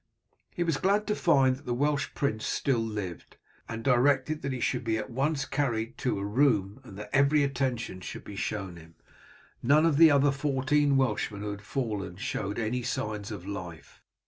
He was glad to find that the Welsh prince still lived, and directed that he should be at once carried to a room and that every attention should be shown him. None of the other fourteen Welshmen who had fallen showed any signs of life.